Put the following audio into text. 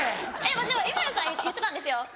でもＩＭＡＬＵさん言ってたんですよ。